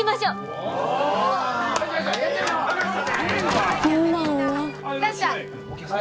ああいらっしゃい。